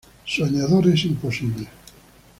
Soñadores imposibles.